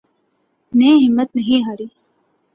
نے ہمت نہیں ہاری